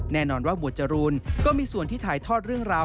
แน่นอนว่าหมวดจรูนก็มีส่วนที่ถ่ายทอดเรื่องราว